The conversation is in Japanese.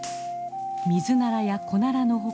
ミズナラやコナラの他